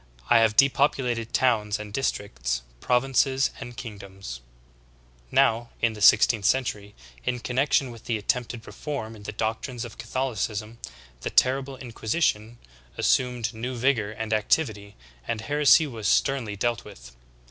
I have depopulated towns and districts, provinces and kingdoms.' "'^ 13. Now, in the sixteenth century, in connection with the attempted reform in the doctrines of Catholicism, the terrible Inquisition, ''assumed new vigor and activity, and heresy was sternly dealt with."